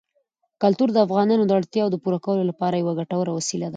کلتور د افغانانو د اړتیاوو د پوره کولو لپاره یوه ګټوره وسیله ده.